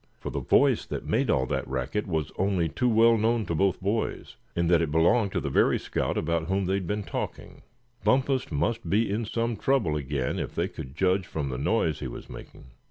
For the voice that made all that racket was only too well known to both boys; in that it belonged to the very scout about whom they had been talking. Bumpus must be in some trouble again, if they could judge from the noise he was making.